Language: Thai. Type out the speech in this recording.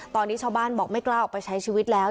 ตอนนี้ชาวบ้านบอกไม่กล้าออกไปใช้ชีวิตแล้ว